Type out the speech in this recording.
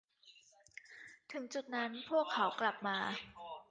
ถึงจุดนั้นพวกเขากลับมา